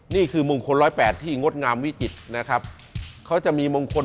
นี่คือมงคล๑๐๘ที่งดงามวิจิตรนะครับเขาจะมีมงคล